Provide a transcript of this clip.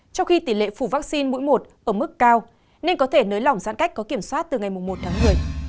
trong khi tỷ lệ phủ vaccine mũi một ở mức cao nên có thể nới lỏng giãn cách có kiểm soát từ ngày một tháng một mươi